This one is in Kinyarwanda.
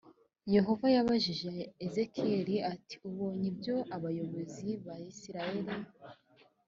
yehova yabajije ezekiyeli ati ubonye ibyo abayobozi ba isirayeli